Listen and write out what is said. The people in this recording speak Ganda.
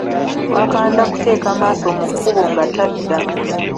Twakanda kuteeka maaso mu kkubo nga tadda.